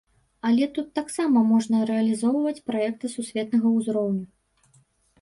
Але тут таксама можна рэалізоўваць праекты сусветнага ўзроўню.